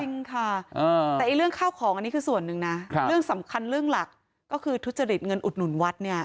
จริงค่ะแต่เรื่องข้าวของอันนี้คือส่วนหนึ่งนะเรื่องสำคัญเรื่องหลักก็คือทุจริตเงินอุดหนุนวัดเนี่ย